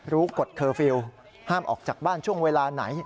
กฎเคอร์ฟิลล์ห้ามออกจากบ้านช่วงเวลาไหน